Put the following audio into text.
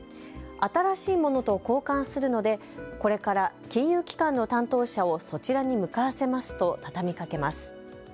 新しいものと交換するのでこれから金融機関の担当者をそちらに向かわせますと畳みかけます。